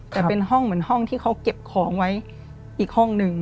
แต่เป็นห้องเหมือนห้องที่เขาเก็บของไว้อีกห้องหนึ่ง